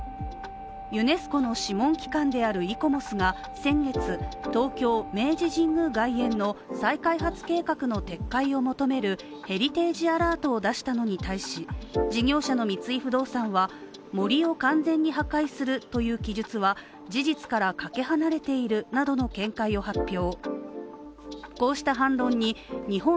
ユネスコの諮問機関であるＩＣＯＭＯＳが先月東京・明治神宮外苑の再開発計画の撤回を求めるヘリテージアラートを出したのに対し事業者の三井不動産は、「森を完全に破壊する」という記述は事実からかけ離れているなどの見解を発表。